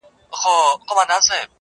چي دي و وینم د تورو سترګو جنګ کي-